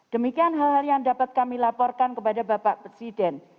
demikian hal hal yang dapat kami laporkan kepada bapak presiden